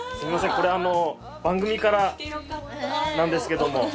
これ番組からなんですけども。